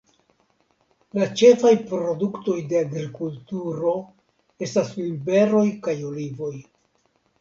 La ĉefaj produktoj de agrikulturo estas vinberoj kaj olivoj.